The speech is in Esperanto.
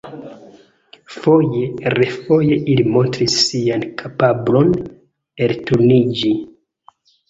Foje-refoje ili montris sian kapablon elturniĝi.